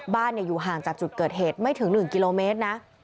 อยู่ห่างจากจุดเกิดเหตุไม่ถึง๑กิโลเมตรนะ